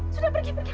sudah pergi pergi